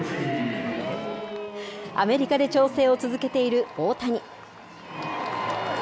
アメリカで調整を続けている大谷。